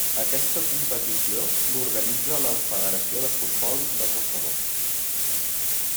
Aquesta competició l'organitza la Federació de Futbol de Kosovo.